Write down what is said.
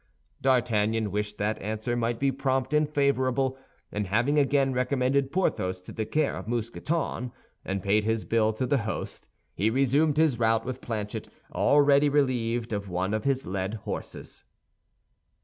D'Artagnan wished that answer might be prompt and favorable; and having again recommended Porthos to the care of Mousqueton, and paid his bill to the host, he resumed his route with Planchet, already relieved of one of his led horses.